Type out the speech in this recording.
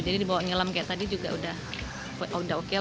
jadi dibawa menyelam seperti tadi sudah oke